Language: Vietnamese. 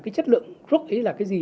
chất lượng thuốc ấy là cái gì